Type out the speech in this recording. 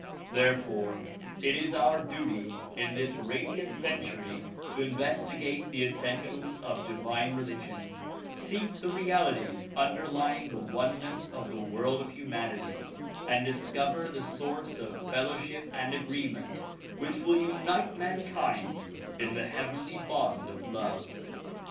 There fore it is our duty in this radiant century to investigate the essen tials of divine religion, seek the realities underlying the oneness of the world of humanity and discover the source of fellowship and agreement which will unite mankind in the heavenly bond of love.